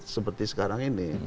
seperti sekarang ini